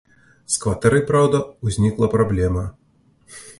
З кватэрай, праўда, узнікла праблема.